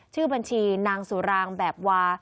ชื่อบัญชีนางสุรางแบบวา